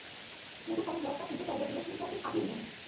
নতুন কোনো haircut নিতে চাইলে বিয়ের তিন-চার দিন আগেই নিয়ে নিন।